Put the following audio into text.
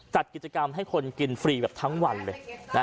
จัดกิจกรรมให้คนกินฟรีแบบทั้งวันเลย